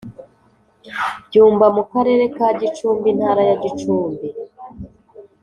Byumba mu Karere ka Gicumbi Intara ya Gicumbi